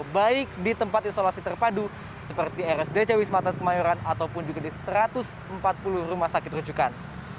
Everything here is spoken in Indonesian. baik di tempat isolasi terpadu seperti rsdc wisma atlet kemayoran ataupun juga di satu ratus empat puluh rumah sakit rujukan